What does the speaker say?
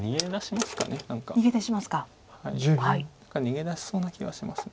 逃げ出しそうな気がします。